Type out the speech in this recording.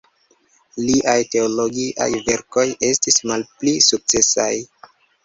Liaj teologiaj verkoj estis malpli sukcesaj.